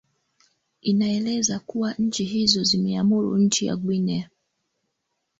inaeleza kuwa nchi hizo zimeamuru nchi ya guinea